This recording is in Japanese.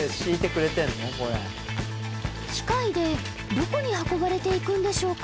機械でどこに運ばれていくんでしょうか？